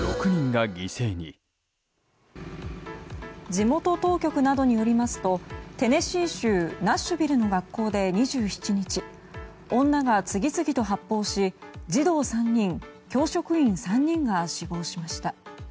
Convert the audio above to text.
地元当局などによりますとテネシー州ナッシュビルの学校で２７日女が次々と発砲し児童３人、教職員３人が死亡しました。